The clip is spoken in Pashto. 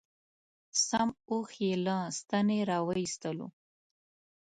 سم اوښ یې له ستنې را و ایستلو.